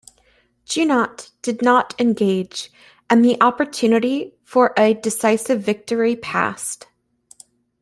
Junot did not engage, and the opportunity for a decisive victory passed.